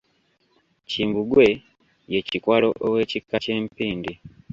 Kimbugwe ye Kikwalo ow'ekika ky'Empindi.